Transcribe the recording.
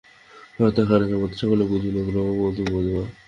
সপ্তাহখানেকের মধ্যে সকলেই বুঝিল, নববধূ বোবা।